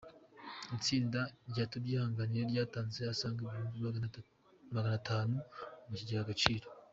Itsinda ryatubyihangire ryatanze asanga Ibihumbi maganatanu mu kigega Agaciro